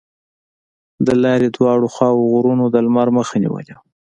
د لارې دواړو خواوو غرونو د لمر مخه نیولې وه.